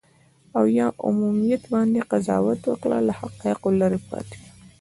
او یا عمومیت باندې قضاوت وکړو، له حقایقو لرې پاتې یو.